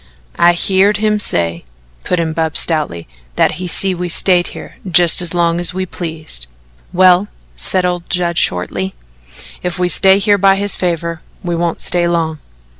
"I heerd him say," put in Bub stoutly, "that he'd see that we stayed here jus' as long as we pleased." "Well," said old Judd shortly, "ef we stay here by his favour, we won't stay long."